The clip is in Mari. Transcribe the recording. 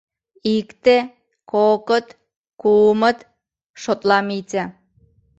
— Икте... кокыт... кумыт... — шотла Митя.